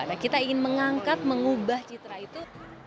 nah kita ingin mengangkat mengubah citra itu